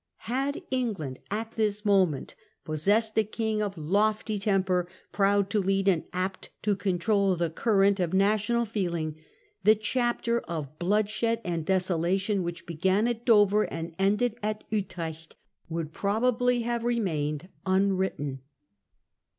Had England at this moment possessed a King of lofty temper, proud to lead and apt to control the current of national feeling, the chapter of bloodshed and desolation which began at Dover and ended at Utrecht would probably have remained unwritten.